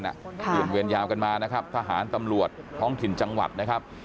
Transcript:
เปลี่ยนเวรยาวกันมานะครับทหารตำรวจท้องถิ่นจังหวัดนะครับ